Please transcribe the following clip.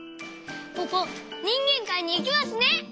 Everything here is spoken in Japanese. ポポにんげんかいにいけますね！